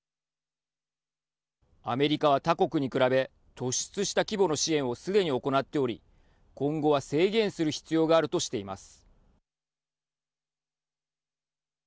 アメリカは他国に比べ突出した規模の支援をすでに行っており今後は制限する必要があるとしています。